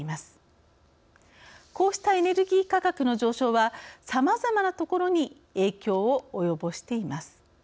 こうしたエネルギー価格の上昇はさまざまなところに影響を及ぼしています。